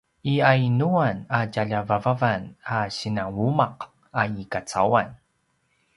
i yainuan a tjalja vavavan a sinanumaq i kacauan?